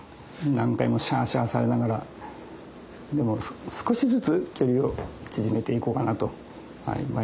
何回もシャーシャーされながらでも少しずつ距離を縮めていこうかなと毎日努力しています。